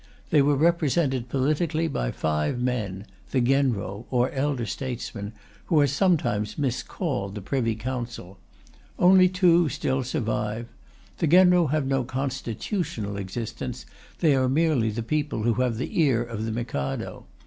They were represented politically by five men, the Genro or Elder Statesmen, who are sometimes miscalled the Privy Council. Only two still survive. The Genro have no constitutional existence; they are merely the people who have the ear of the Mikado.